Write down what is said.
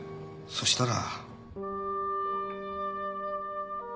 そしたら。